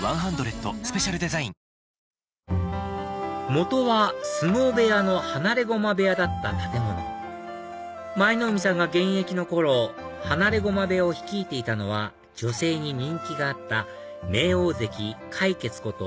元は相撲部屋の放駒部屋だった建物舞の海さんが現役の頃放駒部屋を率いていたのは女性に人気があった名大関魁傑こと